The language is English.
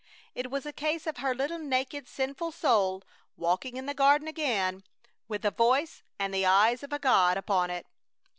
It was a case of her little naked, sinful soul walking in the Garden again, with the Voice and the eyes of a God upon it.